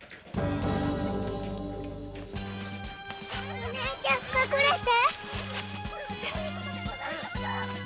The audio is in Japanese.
お姉ちゃん隠れて！